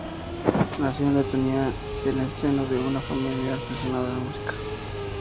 Nació en Letonia, en el seno de una familia aficionada a la música.